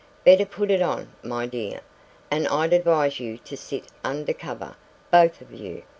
"Better put it on, my dear; and I'd advise you to sit under cover, both of you.